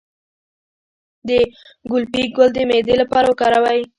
د ګلپي ګل د معدې لپاره وکاروئ